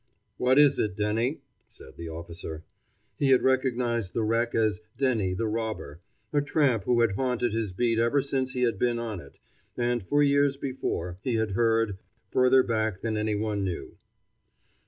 "What is it, Denny?" said the officer. He had recognized the wreck as Denny the Robber, a tramp who had haunted his beat ever since he had been on it, and for years before, he had heard, further back than any one knew.